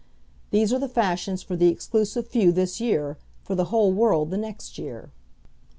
These are the fashions for the exclusive few this year, for the whole world the next year.